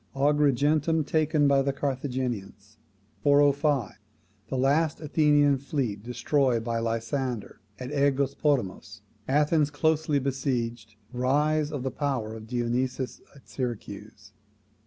Agrigentum taken by the Carthaginians. 405. The last Athenian fleet destroyed by Lysander at AEgospotamos. Athens closely besieged. Rise of the power of Dionysius at Syracuse.